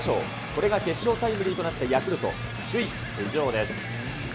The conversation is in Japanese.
これが決勝タイムリーとなったヤクルト、首位浮上です。